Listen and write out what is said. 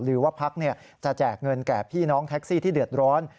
หรือว่าพักจะแจกเงินแก่พี่น้องแท็กซี่ที่เดือดร้อน